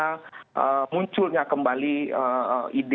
bagaimana pemekaran ini terjadi